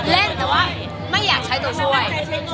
เล่นแต่ว่าไม่อยากใช้ตัวช่วย